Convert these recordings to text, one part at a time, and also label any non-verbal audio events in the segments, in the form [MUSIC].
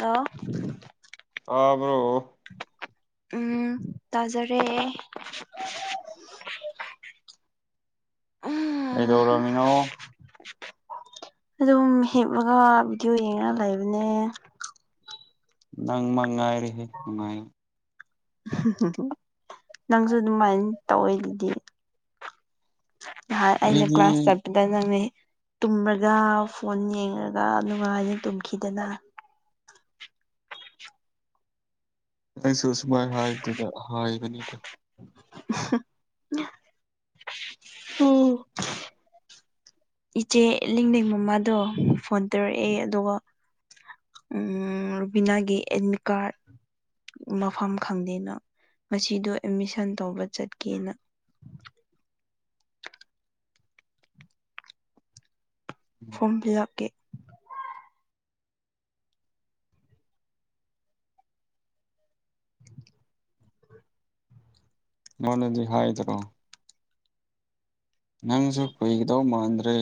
hello ꯇꯥꯕ꯭ꯔꯣ ꯎꯝ ꯇꯥꯖꯔꯦ ꯀꯩꯗꯧꯔꯝꯃꯤꯅꯣ ꯑꯗꯨꯝ ꯍꯤꯞꯂꯒ ꯚꯤꯗꯤꯑꯣ ꯌꯦꯡꯔ ꯂꯩꯕꯅꯦ ꯅꯪ ꯃꯉꯥꯏꯔꯦꯍꯦ ꯅꯨꯡꯉꯥꯏꯕ ꯅꯪꯁꯨ ꯑꯗꯨꯃꯥꯏꯅ ꯇꯧꯋꯦ ꯑꯗꯨꯗꯤ ꯅꯍꯥꯟ ꯑꯩꯅ ꯑꯩꯗꯤ ꯀ꯭ꯂꯥꯁ ꯆꯠ ꯑꯗꯣ ꯅꯪꯅꯦ ꯇꯨꯝꯃꯒ ꯐꯣꯟ ꯌꯦꯡꯉꯒ ꯅꯨꯡꯉꯥꯏꯅ ꯇꯨꯝꯈꯤꯗꯅ ꯅꯪꯁꯨ ꯁꯨꯃꯥꯏꯅ ꯍꯥꯏꯕꯗꯨꯗ ꯍꯥꯏꯕꯅꯤꯗ ꯑꯥ ꯏꯆꯦ ꯂꯤꯡꯅꯤꯡ ꯃꯃꯥꯗꯣ ꯐꯣꯟ ꯇꯧꯔꯛꯑꯦ ꯑꯗꯨꯒ ꯎꯝ ꯔꯨꯕꯤꯅꯥꯒꯤ ꯑꯦꯗꯃꯤꯠ ꯀꯥꯔꯠ ꯃꯐꯝ ꯈꯪꯗꯦꯅ ꯉꯁꯤꯗꯣ ꯑꯦꯠꯃꯤꯁꯟ ꯇꯧꯕ ꯆꯠꯀꯦꯅ ꯐꯣꯔꯝ ꯐꯤꯜꯂꯞꯀꯤ [INAUDIBLE] ꯃꯥꯅꯗꯤ ꯍꯥꯏꯗ꯭ꯔꯣ ꯅꯪꯁꯨ ꯀꯨꯏꯒꯗꯧ ꯃꯥꯟꯗ꯭ꯔꯦ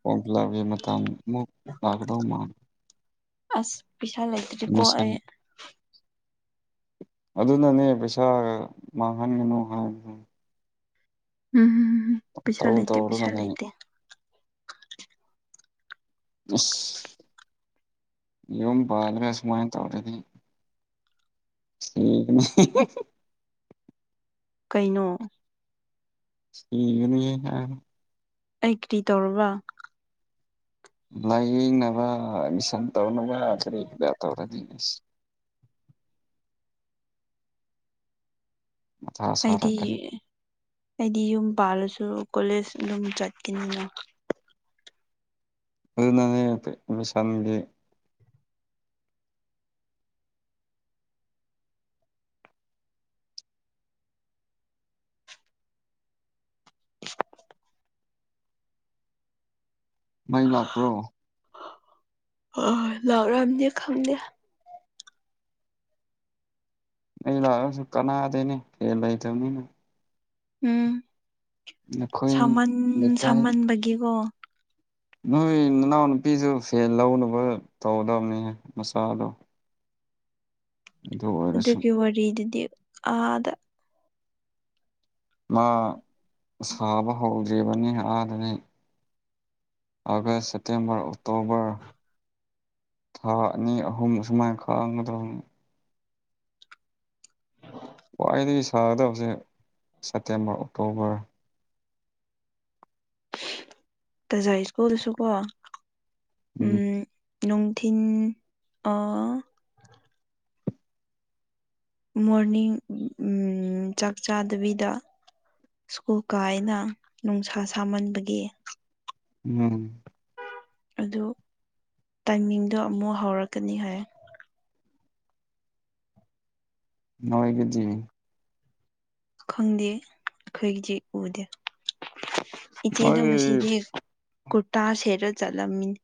ꯐꯣꯔꯝ ꯐꯤꯜꯔꯄꯀꯤ ꯃꯇꯥꯡ ꯑꯃꯨꯛ ꯂꯥꯛꯀꯗꯧ ꯃꯥ ꯑꯁ ꯄꯩꯁꯥ ꯂꯩꯇ꯭ꯔꯤꯀꯣ ꯑꯦꯠꯃꯤꯁꯟ ꯑꯩ ꯑꯗꯨꯅꯅꯦ ꯄꯩꯁꯥ ꯃꯥꯡꯍꯟꯒꯅꯨ ꯍꯥꯏꯕꯗꯣ ꯎꯝ ꯄꯩꯁꯥ ꯇꯧ ꯂꯩꯇꯦ ꯄꯩꯁꯥ ꯇꯧꯔꯒ ꯂꯩ ꯂꯩꯇꯦ ꯏꯁ ꯌꯨꯝ ꯄꯥꯜꯂꯒ ꯁꯨꯃꯥꯏꯟ ꯇꯧꯔꯗꯤ ꯁꯤꯒꯅꯤ ꯀꯩꯅꯣ ꯁꯤꯒꯅꯤꯍꯦ ꯅꯪ ꯑꯩ ꯀꯔꯤ ꯇꯧꯔꯕ꯭ꯔꯥ ꯂꯥꯏꯌꯦꯡꯅꯕ ꯑꯦꯗꯃꯤꯁꯟ ꯇꯧꯅꯕ ꯀꯔꯤ ꯀꯔ ꯇꯧꯔꯗꯤ ꯑꯦꯁ ꯃꯊꯥ ꯑꯩꯗꯤ ꯁꯥꯔꯛꯀꯅꯤ ꯑꯩꯗꯤ ꯌꯨꯝ ꯄꯥꯜꯂꯁꯨ ꯀꯣꯂꯦꯖ ꯑꯗꯨꯝ ꯆꯠꯀꯤꯅꯤꯅ ꯑꯗꯨ ꯅꯪ [UNINTELLIGIBLE] ꯑꯦꯗꯃꯤꯁꯟꯒꯤ ꯃꯩ ꯂꯥꯛꯄ꯭ꯔꯣ ꯑꯥ ꯂꯥꯛꯔꯝꯅꯤ ꯈꯪꯗꯦ ꯃꯩ ꯂꯛꯔꯁꯨ ꯀꯅꯥꯗꯦꯅꯦ ꯐꯦꯟ ꯂꯩ ꯇꯝꯅꯤꯅ ꯎꯝ ꯅꯈꯣꯏ ꯁꯥꯃꯟ ꯂꯩꯀꯥꯏ ꯁꯥꯃꯟꯕꯒꯤꯀꯣ ꯅꯣꯏ ꯅꯅꯥꯎꯅꯨꯄꯤꯖꯨ ꯐꯦꯟ ꯂꯧꯅꯕ ꯇꯧꯒꯗꯕꯅꯤꯅꯦ ꯃꯆꯥꯗꯣ ꯑꯗꯨ ꯑꯣꯏꯔꯁꯨ ꯑꯗꯨꯒꯤ ꯋꯥꯔꯤꯗꯨꯗꯤ ꯑꯥꯗ ꯃꯥ ꯁꯥꯕ ꯍꯧꯗ꯭ꯔꯤꯕꯅꯤꯅ ꯑꯥꯗꯗꯤ ꯑꯒꯁ ꯁꯦꯞꯇꯦꯝꯕꯔ ꯑꯣꯛꯇꯣꯕꯔ ꯊꯥ ꯑꯅꯤ ꯑꯍꯨꯝ ꯁꯨꯃꯥꯏꯅ ꯈꯥꯡꯒꯗꯕꯅꯦ ꯈ꯭ꯋꯥꯏꯗꯒꯤ ꯁꯥꯒꯗꯕꯁꯦ ꯁꯦꯞꯇꯦꯝꯕꯔ ꯑꯣꯛꯇꯣꯕꯔ ꯇꯖꯥꯏ ꯁ꯭ꯀꯨꯜꯗꯁꯨꯀꯣ ꯎꯝ ꯅꯨꯡꯊꯤꯟ ꯑꯥ ꯃꯣꯔꯅꯤꯡ ꯆꯥꯛ ꯆꯥꯗꯕꯤꯗ ꯁ꯭ꯀꯨꯜ ꯀꯥꯏꯅ ꯅꯨꯡꯁꯥ ꯁꯥꯃꯟꯕꯒꯤ ꯎꯝ ꯑꯗꯨ ꯇꯥꯏꯃꯤꯡꯗꯣ ꯑꯃꯨꯛ ꯍꯧꯔꯛꯀꯅꯤ ꯍꯥꯏ ꯃꯣꯏꯒꯤꯗꯤ ꯈꯪꯗꯦ ꯑꯈꯣꯏꯒꯤꯗꯤ ꯎꯗꯦ ꯅꯣꯏ ꯏꯆꯦꯗꯣ ꯉꯁꯤꯗꯤ ꯀꯨꯔꯇꯥ ꯁꯦꯠꯔ ꯆꯠꯂꯝꯃꯤꯅꯤ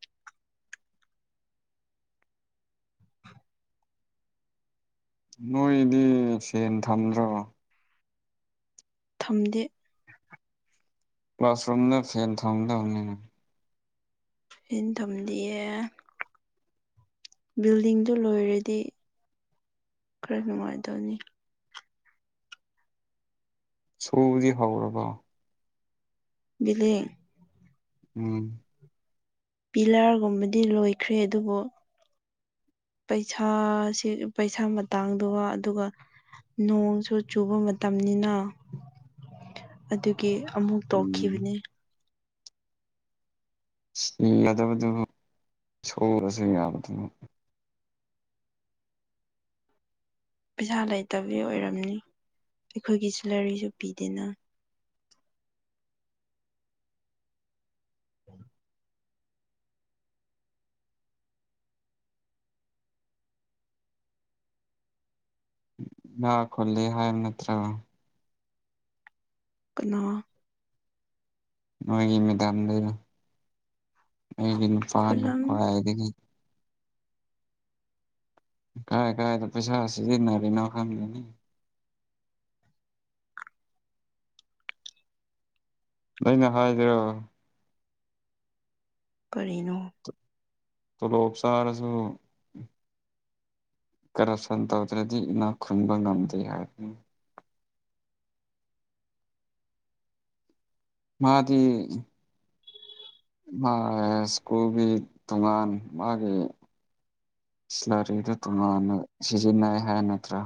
ꯅꯣꯏꯗꯤ ꯁꯦꯟ ꯊꯝꯗ꯭ꯔꯣ ꯊꯝꯗꯦ ꯀ꯭ꯂꯥꯁꯔꯨꯝꯗ ꯐꯦꯟ ꯊꯝꯗꯧꯅꯤꯅ ꯏꯟꯊꯝꯗꯤꯌꯦ ꯕꯤꯜꯗꯤꯡꯗꯨ ꯂꯣꯏꯔꯗꯤ ꯈꯔ ꯅꯨꯡꯉꯥꯏꯗꯧꯅꯤ ꯁ꯭ꯀꯨꯜꯗꯤ ꯍꯧꯔꯕꯣ ꯕꯤꯂꯦ ꯎꯝ ꯄꯤꯂꯔꯒꯨꯝꯕꯗꯤ ꯂꯣꯏꯈ꯭ꯔꯦ ꯑꯗꯨꯕꯨ ꯄꯩꯁꯥꯁꯤ ꯄꯩꯁꯥ ꯃꯇꯥꯡꯗꯨꯒ ꯑꯗꯨꯒ ꯅꯣꯡꯁꯨ ꯆꯨꯕ ꯃꯇꯝꯅꯤꯅ ꯑꯗꯨꯒꯤ ꯑꯃꯨꯛ ꯎꯝ ꯇꯣꯛꯈꯤꯕꯅꯤ ꯁꯤꯖꯤꯟꯅꯗꯕꯗꯨ ꯁꯨꯔꯁꯨ ꯌꯥꯕꯗꯨꯕꯨ ꯄꯩꯁꯥ ꯂꯩꯇꯕꯤ ꯑꯣꯏꯔꯝꯅꯤ ꯑꯩꯈꯣꯏꯒꯤ ꯁꯦꯂꯔꯤꯁꯨ ꯄꯤꯗꯦꯅ [UNINTELLIGIBLE] ꯏꯅꯥꯛ ꯈꯨꯜꯂꯦ ꯍꯥꯏꯕ ꯅꯠꯇ꯭ꯔꯣ ꯀꯅꯥ ꯅꯣꯏꯒꯤ ꯃꯦꯗꯥꯝꯗꯅ ꯃꯤꯒꯤ ꯅꯨꯄꯥꯅ ꯈꯨꯂꯪ ꯈ꯭ꯋꯥꯏꯗꯒꯤ ꯀꯥꯏ ꯀꯥꯏꯗ ꯄꯩꯁꯥ ꯑꯁꯤꯖꯤꯅꯔꯤꯅꯣ ꯈꯪꯗꯦꯅꯤ ꯑꯩꯅ ꯍꯥꯏꯗ꯭ꯔꯣ ꯀꯔꯤꯅꯣ ꯇꯣꯂꯣꯞ ꯆꯥꯔꯁꯨ ꯀꯔꯞꯁꯟ ꯇꯧꯗ꯭ꯔꯗꯤ ꯏꯅꯥꯛ ꯈꯨꯟꯕ ꯉꯝꯗꯦ ꯍꯥꯏꯕꯅꯤꯅꯦ ꯃꯥꯗꯤ ꯃꯥ ꯁ꯭ꯀꯨꯜꯒꯤ ꯇꯣꯉꯥꯟ ꯃꯥꯒꯤ ꯁꯦꯂꯔꯤꯗꯨ ꯇꯣꯉꯥꯟꯅ ꯁꯤꯖꯤꯟꯅꯩ ꯍꯥꯏ ꯅꯠꯇ꯭ꯔꯥ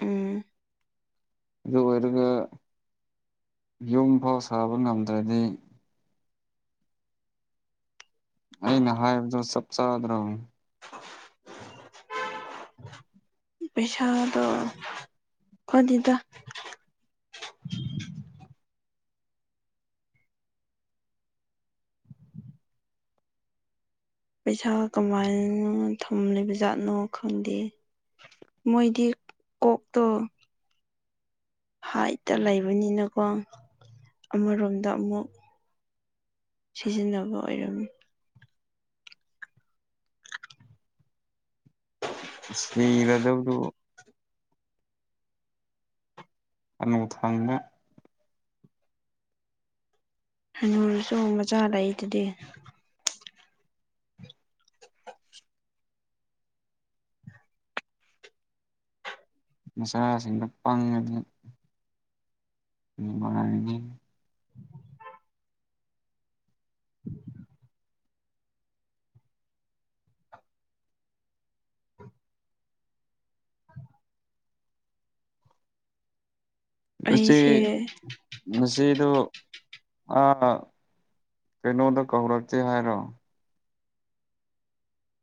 ꯎꯝ ꯑꯗꯨ ꯑꯣꯏꯔꯒ ꯌꯨꯝ ꯐꯥꯎ ꯁꯥꯕ ꯉꯝꯗ꯭ꯔꯗꯤ ꯑꯩꯅ ꯍꯥꯏꯕꯗꯣ ꯆꯞ ꯆꯥꯗ꯭ꯔꯣ [INAUDIBLE] ꯄꯩꯁꯥꯗꯣ [UNINTELLIGIBLE] ꯄꯩꯁꯥ ꯀꯃꯥꯏꯅ ꯊꯝꯂꯤꯕ ꯖꯥꯠꯅꯣ ꯈꯪꯗꯦ ꯃꯣꯏꯗꯤ ꯀꯣꯛꯇꯣ ꯍꯥꯏꯠꯇ ꯂꯩꯕꯅꯤꯅꯀꯣ ꯑꯃꯔꯣꯝꯗ ꯑꯃꯨꯛ ꯁꯤꯖꯤꯟꯅꯕ ꯑꯣꯏꯔꯝꯃꯤ ꯁꯤꯔꯗꯕꯗꯨꯕꯨ ꯍꯅꯨꯊꯪꯗ ꯍꯅꯨꯔꯁꯨ ꯃꯆꯥ ꯂꯩꯗꯨꯗꯤ ꯃꯆꯥꯁꯤꯡꯗꯣ ꯄꯪꯉꯗꯤ ꯅꯨꯡꯉꯥꯏꯔꯅꯤ ꯑꯆꯦ ꯑꯩꯁꯦ ꯅꯆꯦꯗꯣ ꯑ ꯀꯩꯅꯣꯗ ꯀꯧꯔꯛꯇꯦ ꯍꯥꯏꯔꯣ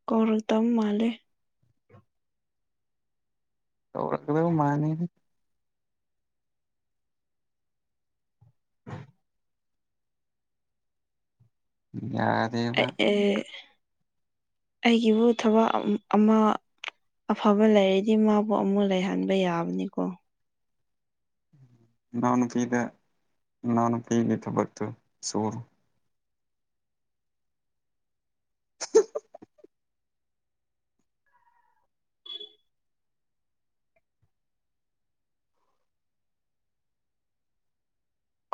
ꯀꯧꯔ ꯇꯝ ꯃꯥꯂꯦ ꯇꯧꯔꯛ ꯀꯗꯕ ꯃꯥꯂꯤꯗꯤ ꯌꯥ ꯑꯦ ꯑꯩꯒꯤꯕꯨ ꯊꯕꯛ ꯑꯃ ꯑꯐꯕ ꯂꯩꯔꯗꯤ ꯃꯥꯕꯨ ꯑꯃꯨꯛ ꯂꯩꯍꯟꯕ ꯌꯥꯕꯅꯤꯀꯣ ꯃꯅꯥꯎꯅꯨꯄꯤꯗ ꯃꯅꯥꯎꯅꯨꯄꯤꯒꯤ ꯊꯕꯛꯇꯣ ꯁꯨꯑꯣ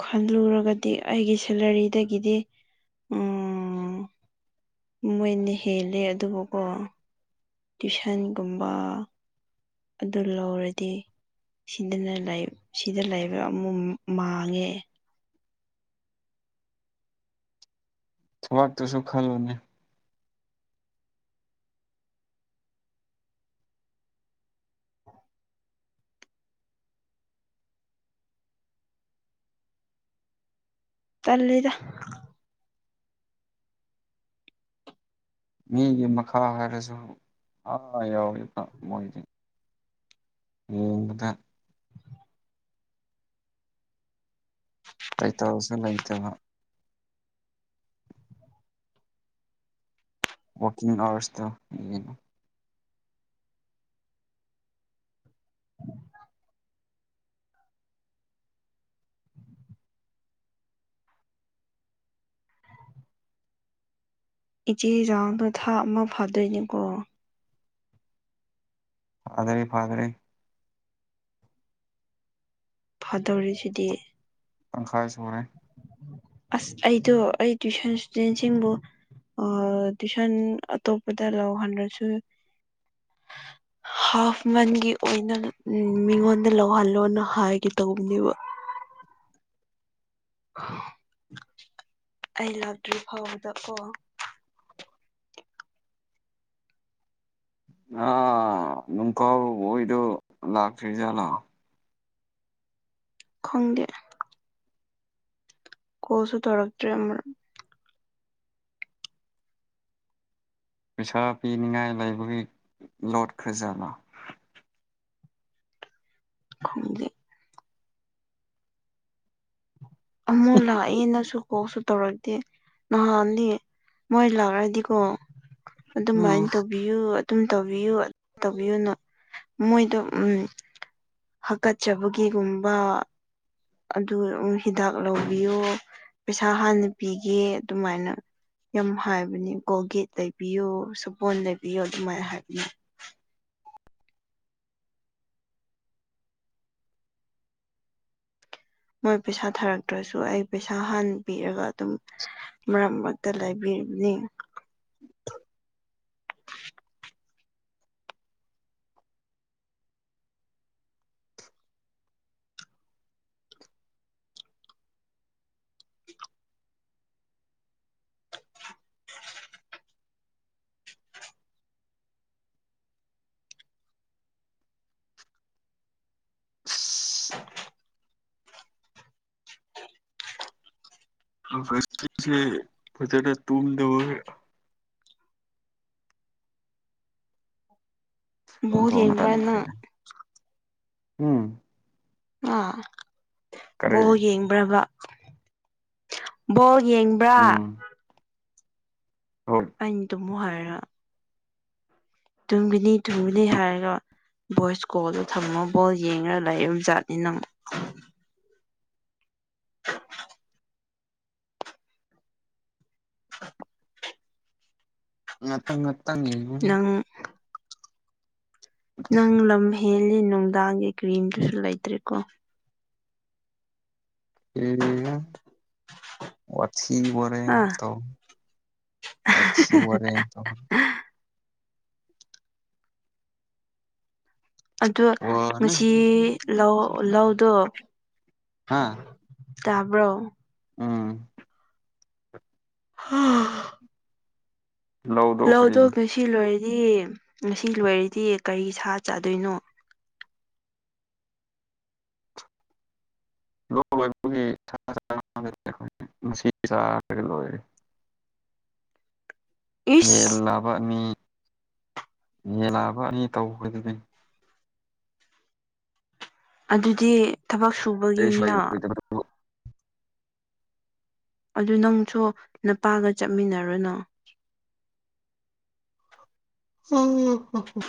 ꯈꯜꯂꯨꯔꯒꯗꯤ ꯑꯩꯒꯤ ꯁꯦꯂꯔꯤꯗꯒꯤꯗꯤ ꯎꯝ ꯃꯣꯏꯅ ꯍꯦꯜꯂꯦ ꯑꯗꯨꯕꯨꯀꯣ ꯇꯨꯏꯁꯟꯒꯨꯝꯕ ꯑꯗꯨ ꯂꯧꯔꯗꯤ ꯁꯤꯗꯅ ꯁꯤꯗ ꯂꯩꯕ ꯑꯃꯨꯛ ꯃꯥꯡꯉꯦ ꯊꯕꯥꯛꯇꯨꯁꯨ ꯈꯜꯂꯨꯅꯦ ꯇꯜꯂꯤꯗ ꯃꯤꯒꯤ ꯃꯈꯥ ꯍꯥꯏꯔꯁꯨ ꯑꯥ ꯌꯥꯎꯋꯤꯕ ꯃꯣꯏꯗꯤ ꯅꯣꯡꯃꯗ ꯄꯦꯇꯦꯜꯁꯨ ꯂꯩꯇꯕ ꯋꯥꯀꯤꯡ ꯑꯋꯥꯔꯁꯇꯣ ꯌꯦꯡ ꯏꯆꯦ ꯏꯖꯥꯎꯗ ꯊꯥ ꯑꯃ ꯐꯥꯗꯣꯏꯅꯤꯀꯣ ꯐꯥꯗꯔꯦ ꯐꯥꯗꯔꯦ ꯐꯥꯗꯧꯔꯤꯁꯤꯗꯤ ꯇꯪꯈꯥꯏ ꯁꯨꯔꯦ ꯑꯁ ꯑꯩꯗꯣ ꯑꯩ ꯇꯨꯏꯁꯟ ꯏꯁꯇꯨꯗꯦꯟꯁꯤꯡꯕꯨ ꯑ ꯇꯨꯏꯁꯟ ꯑꯇꯣꯞꯄꯗ ꯂꯧꯍꯟꯂꯁꯨ [INAUDIBLE] ꯍꯥꯐ ꯃꯟꯒꯤ ꯑꯣꯏꯅ ꯃꯤꯉꯣꯟꯗ ꯂꯧꯍꯜꯂꯣꯅ ꯍꯥꯏꯒꯦ ꯇꯧꯕꯅꯦꯕ ꯑꯩ ꯂꯥꯛꯇ꯭ꯔꯤ ꯐꯥꯎꯕꯗ ꯀꯣ ꯑꯥ ꯅꯨꯡ ꯀꯥꯎꯕꯣꯏꯗꯣ ꯂꯥꯛꯇ꯭ꯔꯤꯖꯥꯠꯂꯣ ꯈꯩꯗꯦ ꯀꯣꯜꯁꯨ ꯇꯧꯔꯛꯇ꯭ꯔꯦ ꯑꯃꯔꯛ ꯄꯩꯁꯥ ꯄꯤꯅꯤꯡꯉꯥꯏ ꯂꯩꯕꯒꯤ ꯂꯣꯠ ꯈꯔꯖꯥꯠꯂ ꯈꯪꯗꯦ ꯑꯃꯨꯛ ꯂꯥꯛꯑꯦꯅꯁꯨ ꯀꯣꯜꯁꯨ ꯇꯧꯔꯛꯇꯦ ꯅꯍꯥꯟꯗꯤ ꯃꯣꯏ ꯂꯥꯛꯔꯗꯤꯀꯣ ꯑꯗꯨꯃꯥꯏꯅ ꯇꯧ ꯇꯧꯕꯤꯌꯨ ꯑꯗꯨꯝ ꯇꯧꯕꯤꯌꯨ ꯇꯧꯕꯤꯌꯨꯅ ꯃꯣꯏꯗꯣ ꯎꯝ ꯍꯥꯀꯠꯆꯕꯒꯤꯒꯨꯝꯕ ꯑꯗꯨ ꯍꯤꯗꯥꯛ ꯂꯧꯕꯤꯌꯣ ꯄꯩꯁꯥ ꯍꯥꯟꯅ ꯄꯤꯒꯦ ꯑꯗꯨꯃꯥꯏꯅ ꯌꯥꯝ ꯍꯥꯏꯕꯅꯤ ꯀꯣꯜꯒꯦꯠ ꯂꯩꯕꯤꯌꯨ ꯁꯕꯣꯟ ꯂꯩꯕꯤꯌꯣ ꯑꯗꯨꯃꯥꯏꯅ ꯍꯥꯏꯕꯅꯦ ꯃꯣꯏ ꯄꯩꯁꯥ ꯊꯥꯔꯛꯇ꯭ꯔꯁꯨ ꯑꯩ ꯄꯩꯁꯥ ꯍꯥꯟꯅ ꯄꯤꯔꯒ ꯑꯗꯨꯝ ꯃꯔꯛ ꯃꯔꯛꯇ ꯂꯩꯕꯤꯔꯤꯕꯅꯤ [UNINTELLIGIBLE] [UNINTELLIGIBLE] ꯐꯖꯅ ꯇꯨꯝꯗꯕꯒꯤ ꯕꯣꯜ ꯑꯣꯟꯊꯣꯛꯅ ꯌꯦꯡꯕ꯭ꯔꯥ ꯅꯪ ꯇꯟꯈ꯭ꯔꯦꯅ ꯎꯝ ꯍꯥ ꯀꯔꯤ ꯕꯣꯜ ꯌꯦꯡꯕ꯭ꯔꯕ ꯕꯣꯜ ꯌꯦꯡꯕ꯭ꯔꯥ ꯎꯝ [UNINTELLIGIBLE] ꯑꯩꯅ ꯇꯨꯝꯃꯨ ꯍꯥꯏꯔ ꯇꯨꯝꯒꯅꯤ ꯇꯨꯝꯒꯅꯤ ꯍꯥꯏꯔꯔꯣꯏ ꯚꯣꯏꯁ ꯀꯣꯜꯗꯨ ꯊꯝꯃ ꯕꯣꯜ ꯌꯦꯡꯔꯒ ꯂꯩꯕ ꯖꯥꯠꯅꯤ ꯅꯪ [INAUDIBLE] ꯉꯥꯛꯇꯪ ꯉꯠꯇꯅꯤ ꯅꯪ ꯅꯪ ꯂꯝ ꯍꯦꯜꯂꯤ ꯅꯨꯡꯗꯥꯡꯒꯤ ꯀ꯭ꯔꯤꯝꯇꯁꯨ ꯂꯩꯇ꯭ꯔꯦꯀꯣ ꯀꯔꯤꯔꯥ ꯋꯥꯊꯤ ꯋꯥꯔꯦꯝ ꯑ ꯇꯩ ꯋꯥꯊꯤ ꯋꯥꯔꯦꯝ ꯇꯧ ꯑꯗꯣ ꯋꯥꯅ ꯉꯁꯤ ꯍꯤꯡꯕꯅꯤ ꯂꯧ ꯂꯧꯗꯣ ꯑꯥ ꯇꯥꯕ꯭ꯔꯣ ꯎꯝ ꯍꯥ ꯂꯧꯗꯣꯛꯈ꯭ꯔꯤ ꯂꯧꯗꯣ ꯉꯁꯤ ꯂꯣꯏꯔꯗꯤ ꯉꯁꯤ ꯂꯣꯏꯔꯗꯤ ꯀꯔꯤ ꯁꯥ ꯆꯥꯗꯣꯏꯅꯣ ꯂꯣꯛ ꯂꯩꯕꯒꯤ [UNINTELLIGIBLE] ꯑꯩꯈꯣꯏ ꯉꯁꯤ ꯆꯥꯔꯒ ꯂꯣꯏꯔꯦ ꯏꯁ ꯌꯦꯜꯂꯥꯕ ꯑꯅꯤ ꯌꯦꯜꯂꯥꯕ ꯑꯅꯤ ꯇꯧꯈꯔ꯭ꯗꯨꯗꯤ ꯑꯗꯨꯗꯤ ꯊꯕꯛ ꯀꯔꯤꯁꯨ ꯁꯨꯕꯒꯤꯅꯤꯅ ꯂꯩꯔꯣꯏꯗꯕꯗꯨꯕꯨ ꯑꯗꯨ ꯅꯪꯁꯨ ꯅꯄꯥꯒ ꯆꯠꯃꯤꯟꯅꯔꯣꯅ [INAUDIBLE]